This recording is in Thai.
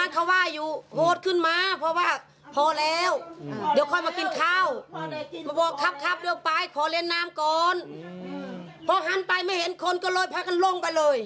จริงแป๊บเดียวเอง